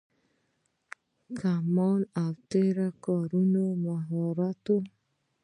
د کمان او تیر کارول مهارت و